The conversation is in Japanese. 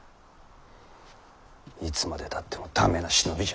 いつまでたっても駄目な忍びじゃ。